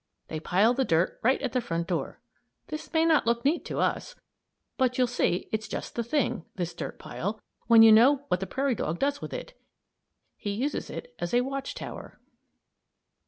They pile the dirt right at the front door. This may not look neat to us, but you'll see it's just the thing this dirt pile when you know what the prairie dog does with it. He uses it as a watch tower.